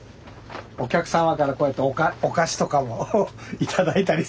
お客様からこうやってお菓子とかも頂いたりするんです。